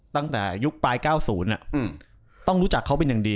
ตั้งแต่ยุคปลาย๙๐ต้องรู้จักเขาเป็นอย่างดี